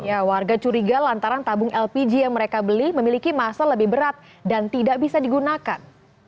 ya warga curiga lantaran tabung lpg yang mereka beli memiliki masa lebih berat dan tidak bisa digunakan